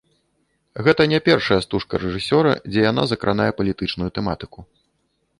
Гэта не першая стужка рэжысёра, дзе яна закранае палітычную тэматыку.